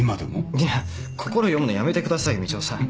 いや心読むのやめてくださいみちおさん。